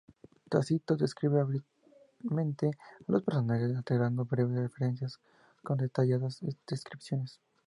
Tácito describe hábilmente a los personajes, alternando breves referencias con detalladas descripciones.